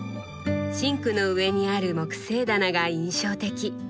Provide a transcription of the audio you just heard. シンクの上にある木製棚が印象的。